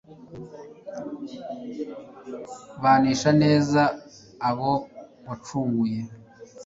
banisha neza abo wacunguye